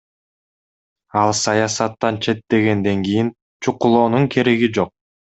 Ал саясаттан четтегенден кийин чукулоонун кереги жок.